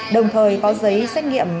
đồng thời có giấy xét nghiệm